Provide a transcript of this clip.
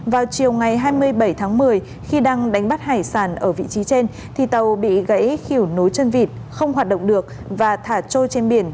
vào chiều ngày hai mươi bảy tháng một mươi khi đang đánh bắt hải sản ở vị trí trên thì tàu bị gãy khỉu nối chân vịt không hoạt động được và thả trôi trên biển